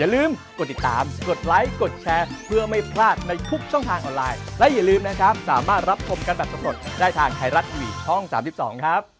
เล่าสู่กันฝั่งนะคะ